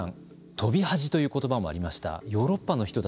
飛び恥という言葉もありました。